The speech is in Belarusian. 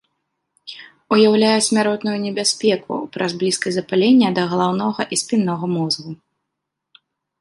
Уяўляе смяротную небяспеку праз блізкасць запалення да галаўнога і спіннога мозгу.